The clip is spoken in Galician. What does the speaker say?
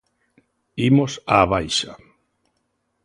Imos á baixa.